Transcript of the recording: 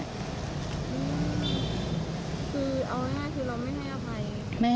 คือเราไม่ให้อภัย